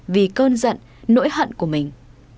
vì cơn giận nỗi hận của mình